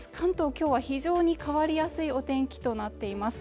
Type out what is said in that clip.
今日は非常に変わりやすいお天気となっています